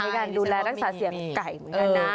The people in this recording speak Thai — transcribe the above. การดูแลรักษาเสียงไก่เหมือนกันนะ